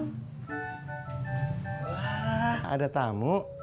wah ada tamu